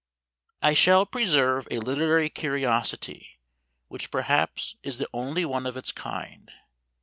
I shall preserve a literary curiosity, which perhaps is the only one of its kind.